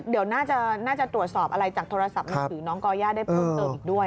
เดี๋ยวน่าจะตรวจสอบอะไรจากโทรศัพท์มือถือน้องก่อย่าได้เพิ่มเติมอีกด้วย